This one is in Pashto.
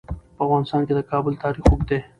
په افغانستان کې د کابل تاریخ اوږد دی.